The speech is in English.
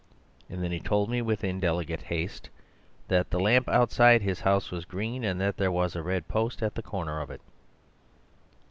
And then he told me with indelicate haste that the lamp outside his house was green, and that there was a red post at the corner of it.